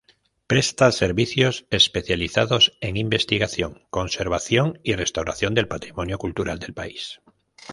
Presta servicios especializados en investigación, conservación y restauración del patrimonio cultural del país.